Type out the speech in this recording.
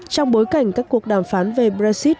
trong bối cảnh các cuộc đàm phán về brexit